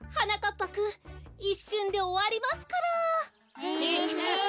ぱくんいっしゅんでおわりますから。